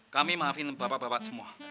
kami maafin bapak bapak semua